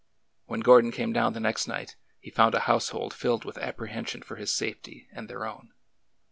When Gordon came down the next night, he found a household filled with apprehension for his safety and their own.